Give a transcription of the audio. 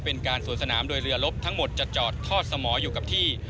เป็นการสวนสนามโดยเรือลบทั้งหมดจะจอดทอดสมออยู่กับที่